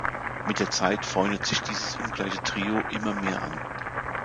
Mit der Zeit freundet sich dieses ungleiche Trio immer mehr an.